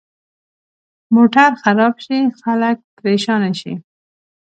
موټر خراب شي، خلک پرېشانه شي.